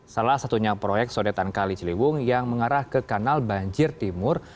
salah satunya proyek sodetan kali ciliwung yang mengarah ke kanal banjir timur